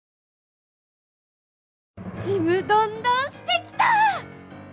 ちむどんどんしてきた！